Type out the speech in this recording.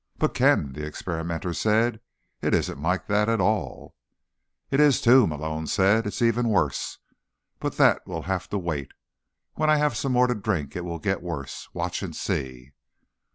"But Ken," the experimenter said. "It isn't like that at all." "It is, too," Malone said. "It's even worse, but that'll have to wait. When I have some more to drink it will get worse. Watch and see."